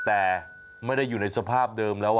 แต่ไม่ได้อยู่ในสภาพเดิมแล้ว